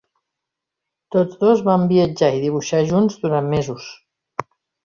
Tots dos van viatjar i dibuixar junts durant mesos.